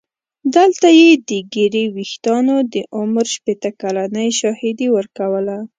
دلته یې د ږیرې ویښتانو د عمر شپېته کلنۍ شاهدي ورکوله.